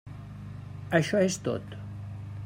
Això és tot.